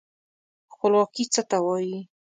خپلواکي څه ته وايي.